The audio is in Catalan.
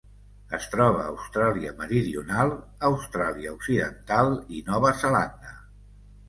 Es troba a Austràlia Meridional, Austràlia Occidental i Nova Zelanda.